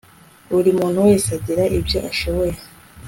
buri muntu wese agira ibyo ashoboye